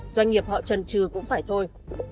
doanh nghiệp họ trần trừ cũng phải thôi